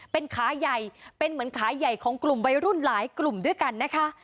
เป็นขาใหญ่เป็นเหมือนขาใหญ่ของกลุ่มวัยรุ่นหลายกลุ่มด้วยกันนะคะ